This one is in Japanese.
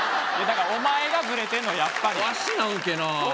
だからお前がずれてんのやっぱりわしなんけなー？